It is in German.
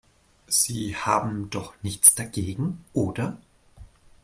Sie haben doch nichts dagegen, oder?